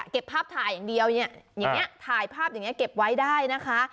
เก็บภาพถ่ายอย่างเดียวเนี่ยอย่างนี้ถ่ายภาพอย่างนี้เก็บไว้ได้นะคะ